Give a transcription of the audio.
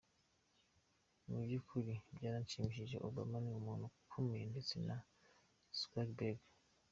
Mu by’ukuri byaranshimishije, Obama ni umuntu ukomeye ndetse na Zuckerberg .